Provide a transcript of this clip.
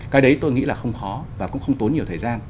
cái đấy tôi nghĩ là không khó và cũng không tốn nhiều thời gian